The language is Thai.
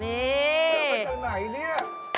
เลือกมาจากไหนเนี่ย